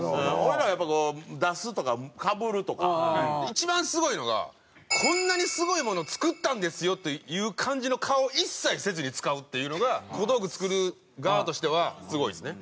一番すごいのがこんなにすごいもの作ったんですよっていう感じの顔を一切せずに使うっていうのが小道具作る側としてはすごいですね。